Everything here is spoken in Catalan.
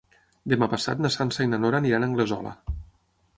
Demà passat na Sança i na Nora aniran a Anglesola.